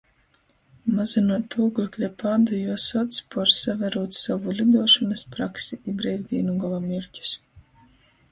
Mazynuot ūglekļa pādu juosuoc, puorsaverūt sovu liduošonys praksi i breivdīnu golamierķus.